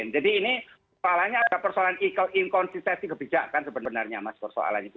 jadi ini soalnya ada persoalan inkonsistensi kebijakan sebenarnya mas persoalan itu